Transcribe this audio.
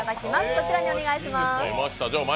こちらにお願いします。